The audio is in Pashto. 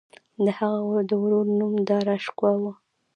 د هغه د ورور نوم داراشکوه و.